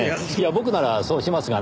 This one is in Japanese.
僕ならそうしますがねぇ。